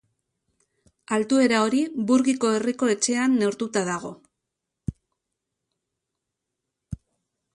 Altuera hori Burgiko Herriko Etxean neurtuta dago.